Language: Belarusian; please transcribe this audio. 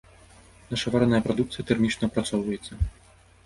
Наша вараная прадукцыя тэрмічна апрацоўваецца.